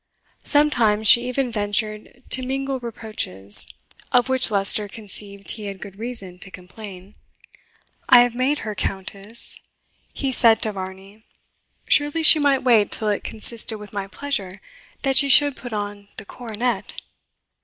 Sometimes she even ventured to mingle reproaches, of which Leicester conceived he had good reason to complain. "I have made her Countess," he said to Varney; "surely she might wait till it consisted with my pleasure that she should put on the coronet?"